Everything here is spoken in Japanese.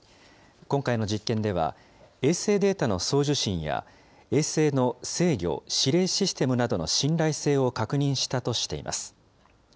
今回の実験では、衛星データの送受信や、衛星の制御・指令システムなどの信頼性を確認したとしています。